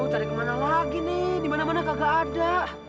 mau cari kemana lagi nih dimana mana kagak ada